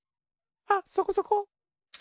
あっそこそこ。